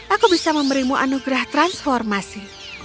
aku bisa memberimu anugerah transformasi